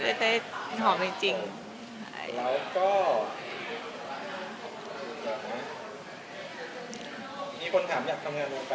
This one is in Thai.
มีคนถามอยากทำงานโรงพัฒนาเกิดกับเรา